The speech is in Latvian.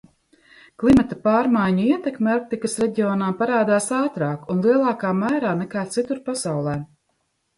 Klimata pārmaiņu ietekme Arktikas reģionā parādās ātrāk un lielākā mērā nekā citur pasaulē.